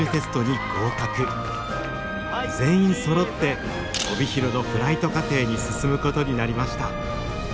全員そろって帯広のフライト課程に進むことになりました。